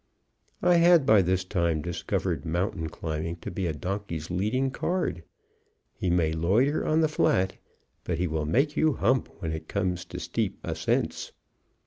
I had by this time discovered mountain climbing to be a donkey's leading card. He may loiter on the flat, but he will make you hump when it comes to steep ascents.